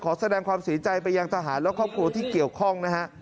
แสดงความเสียใจไปยังทหารและครอบครัวที่เกี่ยวข้องนะฮะ